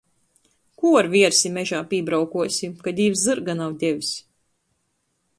Kū ar viersi mežā pībraukuosi, ka Dīvs zyrga nav devs.